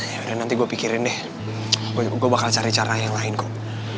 yaudah nanti gue pikirin deh gue bakal cari cara yang lain kok